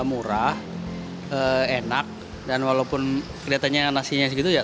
murah enak dan walaupun kelihatannya nasinya segitu ya